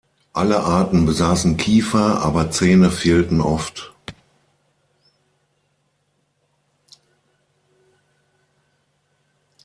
Alle Arten besaßen Kiefer, aber Zähne fehlten oft.